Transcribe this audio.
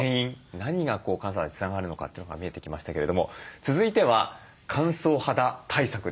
何が乾燥肌につながるのかというのが見えてきましたけれども続いては乾燥肌対策です。